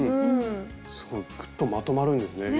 すごいグッとまとまるんですね。